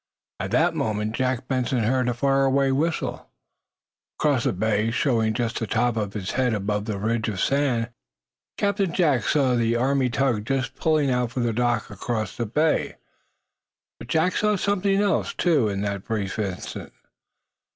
At that moment Jack Benson heard a faraway whistle, across the bay. Showing just the top of his head above a ridge of sand, Captain Jack saw the Army tug just pulling out from the dock across the bay. But Jack saw something else, too, in that brief instant.